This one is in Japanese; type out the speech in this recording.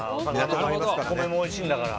お米もおいしいんだから。